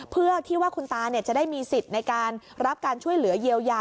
เพื่อที่ว่าคุณตาจะได้มีสิทธิ์ในการรับการช่วยเหลือเยียวยา